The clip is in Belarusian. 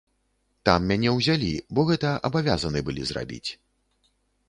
Там мяне ўзялі, бо гэта абавязаны былі зрабіць.